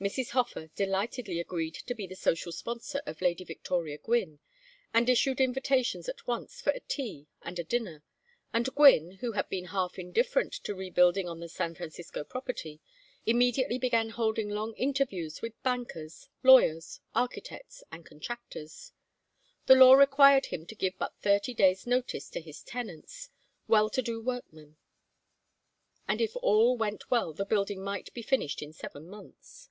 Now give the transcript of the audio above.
Mrs. Hofer delightedly agreed to be the social sponsor of Lady Victoria Gwynne, and issued invitations at once for a tea and a dinner; and Gwynne, who had been half indifferent to rebuilding on the San Francisco property, immediately began holding long interviews with bankers, lawyers, architects, and contractors. The law required him to give but thirty days' notice to his tenants, well to do workmen; and if all went well the building might be finished in seven months.